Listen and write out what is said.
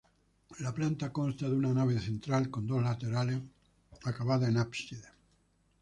La planta consta de una nave central con dos laterales, acabada en ábside.